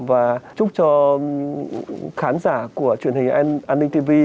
và chúc cho khán giả của truyền hình an ninh tv